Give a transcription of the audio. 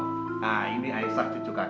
nah ini aisyah cucu kakek